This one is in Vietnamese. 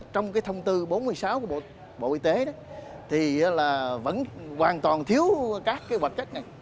trong cái thông tư bốn mươi sáu của bộ y tế thì là vẫn hoàn toàn thiếu các hoạt chất này